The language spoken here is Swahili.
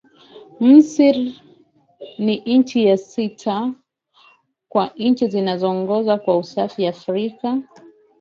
Misri ni ya sita kwa nchi zinazoongoza kwa usafi Afrika